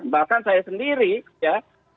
bahkan saya sendiri ya